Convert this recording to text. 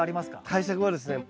対策はですね